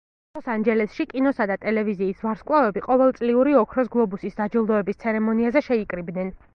ლოს ანჯელესში კინოსა და ტელევიზიის ვარსკვლავები ყოველწლიური „ოქროს გლობუსის“ დაჯილდოების ცერემონიაზე შეიკრიბნენ.